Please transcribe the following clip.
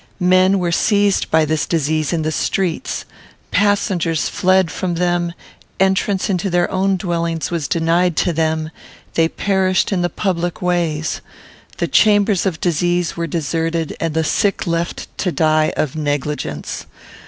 Men were seized by this disease in the streets; passengers fled from them; entrance into their own dwellings was denied to them; they perished in the public ways. The chambers of disease were deserted, and the sick left to die of negligence.